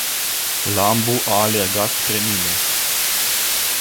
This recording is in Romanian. Lambu a alergat spre mine.